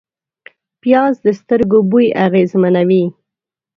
پیاز د سترګو بوی اغېزمنوي